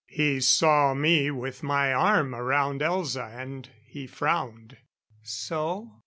He saw me with my arm around Elza, and he frowned. "So?"